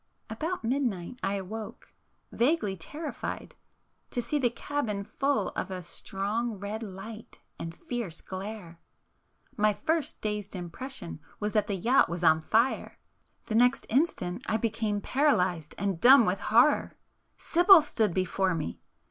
About midnight I awoke, vaguely terrified, to see the cabin full of a strong red light and fierce glare. My first dazed impression was that the yacht was on fire,—the next instant I became paralysed and dumb with horror. Sibyl stood before me!